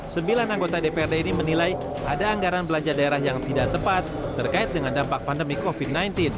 sembilan anggota dprd ini menilai ada anggaran belanja daerah yang tidak tepat terkait dengan dampak pandemi covid sembilan belas